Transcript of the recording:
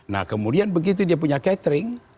nah kemudian begitu dia punya catering